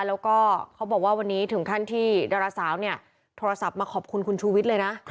แล้วก็เขาบอกว่าวันนี้ถึงขั้นที่ดาราสาวเนี่ยโทรศัพท์มาขอบคุณคุณชูวิทย์เลยนะ